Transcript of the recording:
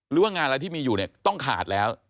หรือว่างานอะไรที่มีอยู่เนี่ยต้องขาดแล้ว